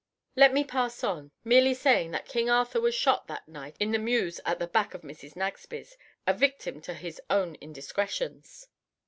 Let me pass on, merely saying that King Arthur was shot that night in the mews at the back of Mrs. Nagsby's, a victim to his own indiscretions.